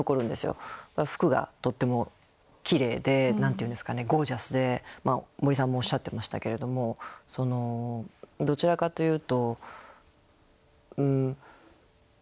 服がとってもきれいで何て言うんですかねゴージャスで森さんもおっしゃってましたけれどもどちらかというとうん服が着る人を選んでるというか。